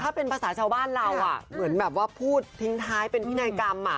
ถ้าเป็นภาษาชาวบ้านเราเหมือนแบบว่าพูดทิ้งท้ายเป็นพินัยกรรม